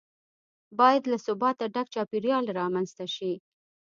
باید له ثباته ډک چاپیریال رامنځته شي.